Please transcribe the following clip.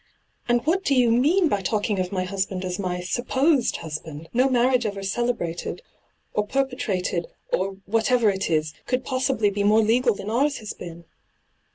' And what do you mean by talking of my husband as my " supposed " husband ? No marrieige ever celebrated, or perpetrated, or whatever it is, could possibly be more legal than ours has been!'